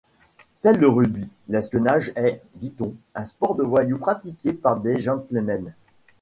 Tel le rugby, l’espionnage est, dit-on, un sport de voyous pratiqué par des gentlemen.